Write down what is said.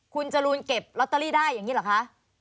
คุณจรูนเก็บลอตเตอรี่ได้อย่างนี้เหรอคะ